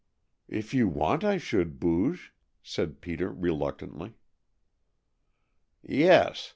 "If you want I should, Booge," said Peter reluctantly. "Yes!